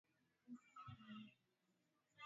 andaa mwiko wa kupikia viazi lishe